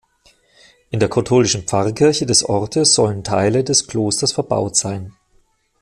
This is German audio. In der katholischen Pfarrkirche des Orts sollen Teile des Klosters verbaut sein.